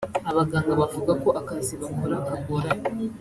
Abaganga bavuga ko akazi bakora kagoranye